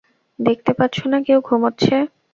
দেখতে পাচ্ছো না কেউ ঘুমাচ্ছে?